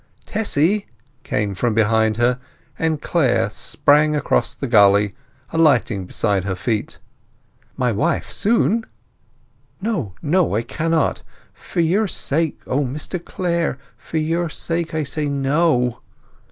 "Tessy!" came from behind her, and Clare sprang across the gully, alighting beside her feet. "My wife—soon!" "No, no; I cannot. For your sake, O Mr Clare; for your sake, I say no!"